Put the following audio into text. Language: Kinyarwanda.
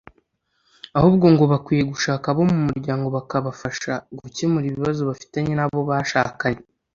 ahubwo ngo bakwiye gushaka abo mu muryango bakabafasha gukemura ibibazo bafitanye n’abo bashakanye